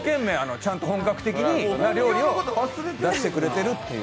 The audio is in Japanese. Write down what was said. ちゃんと本格的に料理を出してくれてるっていう。